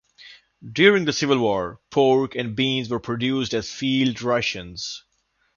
During the Civil War, pork and beans were produced as field rations.